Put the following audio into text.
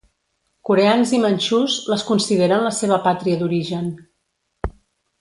Coreans i manxús les consideren la seva pàtria d'origen.